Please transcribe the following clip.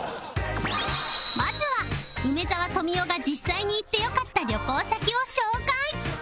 まずは梅沢富美男が実際に行って良かった旅行先を紹介